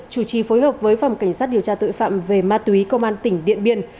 chủ trì phối hợp với phòng cảnh sát điều tra tội phạm về ma túy công an tỉnh điện biên